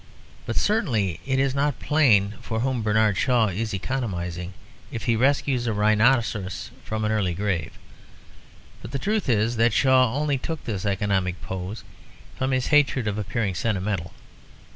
But certainly it is not plain for whom Bernard Shaw is economising if he rescues a rhinoceros from an early grave. But the truth is that Shaw only took this economic pose from his hatred of appearing sentimental.